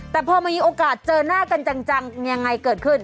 แต่พอมีโอกาสเจอหน้ากันจังยังไงเกิดขึ้น